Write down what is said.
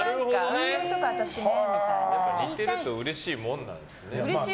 似てるとうれしいものなんですね。